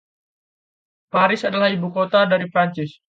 Paris adalah ibukota dari Prancis.